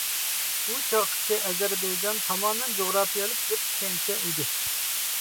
ئۇ چاغقىچە ئەزەربەيجان تامامەن جۇغراپىيەلىك بىر چۈشەنچە ئىدى.